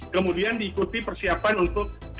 kemudian diikuti persiapan untuk saat mallnya buka